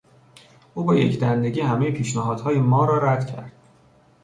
او با یکدندگی همهی پیشنهادهای ما را رد کرد.